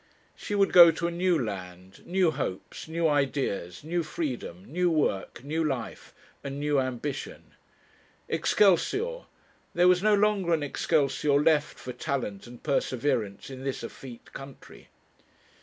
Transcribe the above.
She would go to a new land, new hopes, new ideas, new freedom, new work, new life, and new ambition. 'Excelsior!' there was no longer an excelsior left for talent and perseverance in this effete country.